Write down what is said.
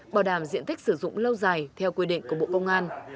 bảo đảm diện tích sử dụng lâu dài theo quy định của bộ công an